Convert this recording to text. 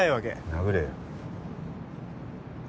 殴れよ。